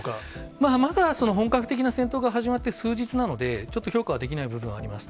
まあ、まだ本格的な戦闘が始まって数日なので、ちょっと評価はできない部分はあります。